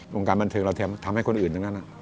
โรงการบันทึกเราทำให้คนอื่นตรงนั้น